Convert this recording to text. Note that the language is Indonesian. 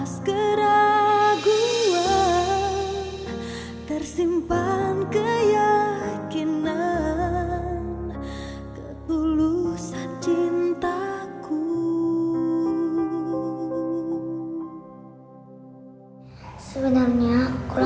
sebenarnya kulam itu biar biar